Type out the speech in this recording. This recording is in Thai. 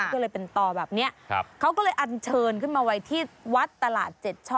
ก็เลยเป็นต่อแบบนี้เขาก็เลยอันเชิญขึ้นมาไว้ที่วัดตลาดเจ็ดช่อ